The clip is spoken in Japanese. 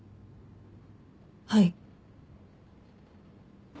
はい。